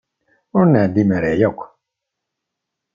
Ur nɛellem ara yakk.